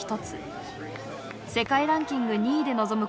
世界ランキング２位で臨む